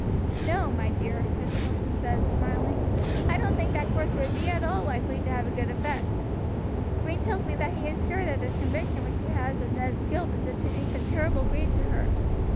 "No, my dear," Mr. Porson said, smiling, "I don't think that course would be at all likely to have a good effect. Green tells me that he is sure that this conviction which she has of Ned's guilt is a deep and terrible grief to her.